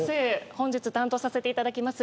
本日担当させていただきます